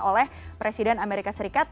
oleh presiden amerika serikat